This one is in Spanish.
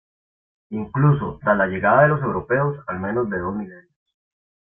Incluso tras la llegada de los europeos, al menos de dos milenios.